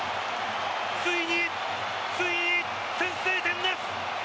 ついに、ついに先制点です！